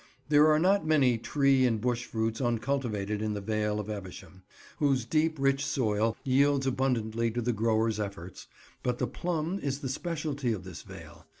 There are not many tree and bush fruits uncultivated in the Vale of Evesham, whose deep rich soil yields abundantly to the growers' efforts, but the plum is the speciality of this Vale.